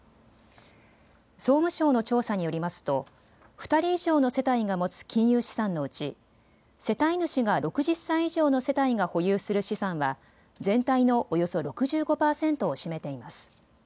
総務省の調査によりますと２人以上の世帯が持つ金融資産のうち世帯主が６０歳以上の世帯が保有する資産は全体のおよそ６５％を占めています。